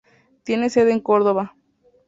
Tiene sede en Córdoba.